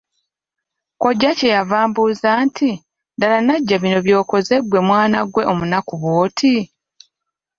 Kkojja kye yava ambuuza nti; "ddala Najja bino by'okoze ggwe mwana ggwe omunaku bw'oti?"